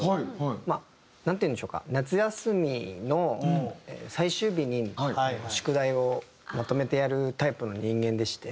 まあなんていうんでしょうか夏休みの最終日に宿題をまとめてやるタイプの人間でして。